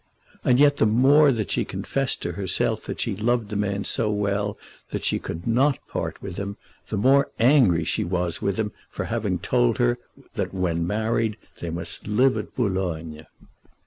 And yet the more that she confessed to herself that she loved the man so well that she could not part with him, the more angry she was with him for having told her that, when married, they must live at Boulogne.